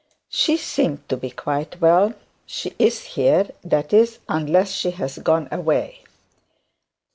'She seemed to be quite well. She is here; that is, unless she has gone away.'